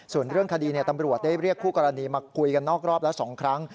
ส่วนเรื่องคดีตำรวจได้เรียกคู่กรณีมาคุยกันนอกรอบละ๒ครั้ง